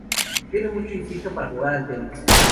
Tiene mucho instinto para jugar al tenis.